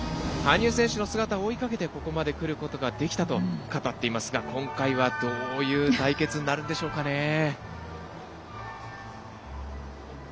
羽生選手の姿を追いかけてここまで来ることができたと語っていますが今回は、どういう対決になるんでしょうかね。